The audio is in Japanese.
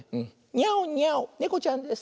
ニャオニャオねこちゃんです。